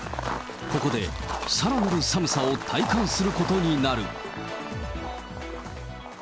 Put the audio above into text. ここでさらなる寒さを体感することになる。